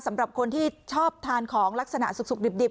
สำหรับคนที่ชอบทานของลักษณะสุกดิบ